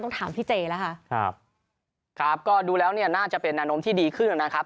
ต้องถามพี่เจ๋แล้วค่ะครับก็ดูแล้วเนี้ยน่าจะเป็นนอนมที่ดีขึ้นแล้วนะครับ